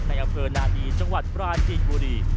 ในอาเฟิร์นาดีจังหวัดปราชิกบุรี